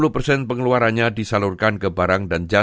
enam puluh persen pengeluarannya disalurkan ke barang dan jualan